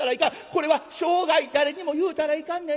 これは生涯誰にも言うたらいかんねやで。